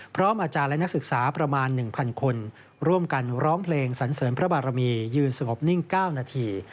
พร้อมอาจารย์และนักศึกษาประมาณ๑๐๐คนร่วมกันร้องเพลงสันเสริมพระบารมียืนสงบนิ่ง๙นาที